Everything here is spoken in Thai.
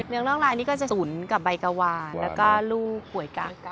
เนื้อน่องลายนี่ก็จะสูญกับใบกะวานแล้วก็ลูกป่วยกลาง